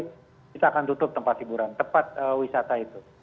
kita akan tutup tempat wisata itu